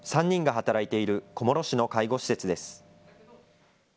３人が働いている小諸市の介護施設です。